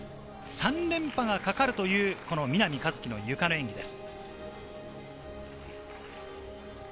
３連覇がかかるという南一輝のゆかの演技です。